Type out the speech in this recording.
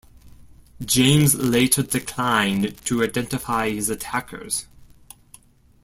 James later declined to identify his attackers.